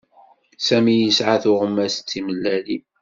Sami yesɛa tuɣmas d timellalin.